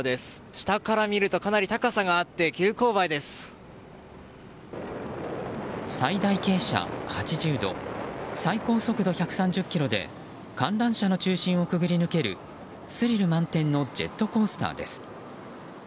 下から見るとかなり高さがあって最大傾斜８０度最高速度１３０キロで観覧車の中心を潜り抜けるスリル満点のジェットコースターです。